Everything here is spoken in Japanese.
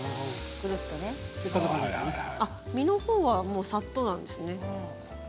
身のほうはさっとなんですね。